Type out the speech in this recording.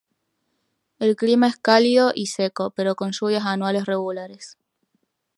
El clima es cálido y seco, pero con lluvias anuales regulares.